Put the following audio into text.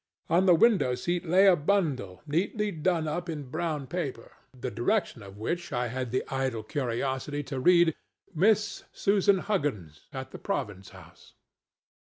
On the window seat lay a bundle neatly done up in brown paper, the direction of which I had the idle curiosity to read: "MISS SUSAN HUGGINS, at the PROVINCE HOUSE."